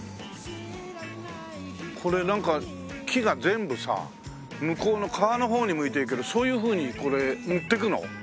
これなんか木が全部さ向こうの川のほうに向いているけどそういうふうにこれ持っていくの？